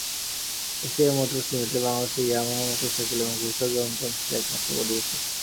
ACI Motors Limited বাংলাদেশে Yamaha motorcycle এবং খুচরা যন্ত্রাংশের একমাত্র পরিবেশক।